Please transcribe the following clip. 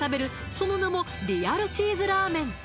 その名もリアルチーズラーメン